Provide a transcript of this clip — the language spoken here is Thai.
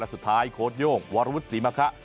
และสุดท้ายโค้ดโยงวารวุฒิมะคะ